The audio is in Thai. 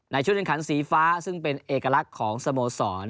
ชุดแข่งขันสีฟ้าซึ่งเป็นเอกลักษณ์ของสโมสร